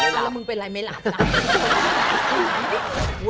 แล้วมึงเป็นไรไหมหลังกัน